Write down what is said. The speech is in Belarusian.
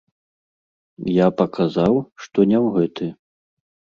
Я паказаў, што не ў гэты.